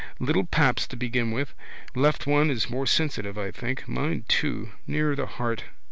Little paps to begin with. Left one is more sensitive, I think. Mine too. Nearer the heart?